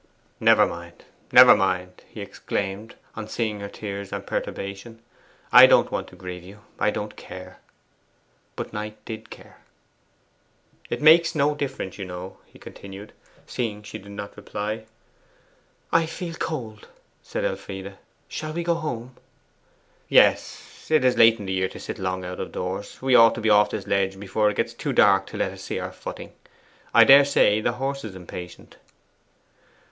'Never mind, never mind,' he exclaimed, on seeing her tears and perturbation. 'I don't want to grieve you. I don't care.' But Knight did care. 'It makes no difference, you know,' he continued, seeing she did not reply. 'I feel cold,' said Elfride. 'Shall we go home?' 'Yes; it is late in the year to sit long out of doors: we ought to be off this ledge before it gets too dark to let us see our footing. I daresay the horse is impatient.